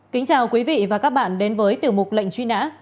kính chào quý vị và các bạn đến với tiểu mục lệnh truy nã